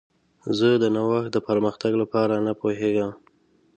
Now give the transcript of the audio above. زه د نوښت د پرمختګ لپاره نه پوهیږم.